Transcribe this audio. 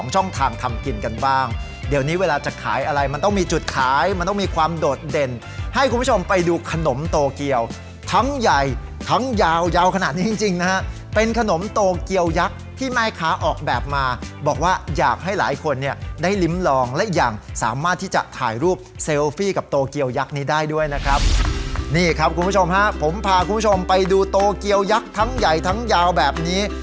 เดี๋ยวนี้เวลาจะขายอะไรมันต้องมีจุดขายมันต้องมีความโดดเด่นให้คุณผู้ชมไปดูขนมโตเกียวทั้งใหญ่ทั้งยาวยาวขนาดนี้จริงจริงนะฮะเป็นขนมโตเกียวยักษ์ที่แม่ค้าออกแบบมาบอกว่าอยากให้หลายคนเนี่ยได้ลิ้มลองและอีกอย่างสามารถที่จะถ่ายรูปเซลฟี่กับโตเกียวยักษ์นี้ได้ด้วยนะครับนี่ครับคุณผู้ชมฮะผมพาคุณผู้ชมไปดูโตเกียวยักษ์ทั้งใหญ่ทั้งยาวแบบนี้